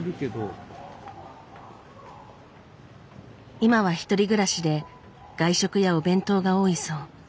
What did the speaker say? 今は１人暮らしで外食やお弁当が多いそう。